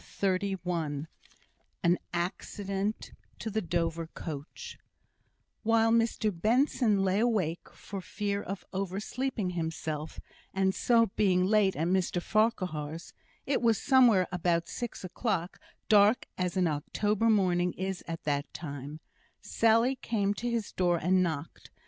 CHAPTER XXXI An Accident to the Dover Coach While Mr Benson lay awake for fear of oversleeping himself, and so being late at Mr Farquhar's (it was somewhere about six o'clock dark as an October morning is at that time), Sally came to his door and knocked.